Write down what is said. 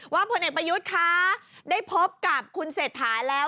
พลเอกประยุทธ์คะได้พบกับคุณเศรษฐาแล้ว